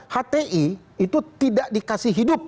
hti itu tidak dikasih hidup